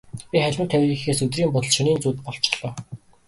Би халимаг тавья гэхээс өдрийн бодол, шөнийн зүүд болчихлоо.